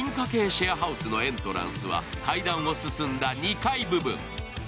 シェアハウスのエントランスは階段を進んだ２階部分。